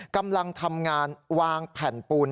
กำลังทำงานวางแผ่นปูน